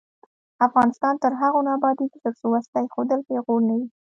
افغانستان تر هغو نه ابادیږي، ترڅو وسله ایښودل پیغور نه وي.